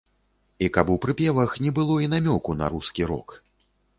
І каб у прыпевах не было і намёку на рускі рок.